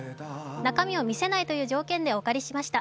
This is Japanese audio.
中身を見せないという条件でお借りしました。